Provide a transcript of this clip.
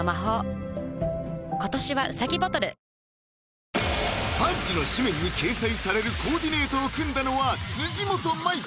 ＮＯ．１「ＦＵＤＧＥ」の誌面に掲載されるコーディネートを組んだのは辻元舞か？